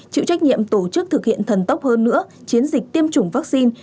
chịu trách nhiệm tổ chức thực hiện thần tốc hơn nữa chiến dịch tiêm chủng vaccine